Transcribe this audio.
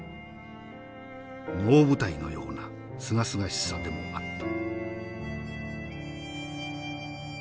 能舞台のようなすがすがしさでもあった」。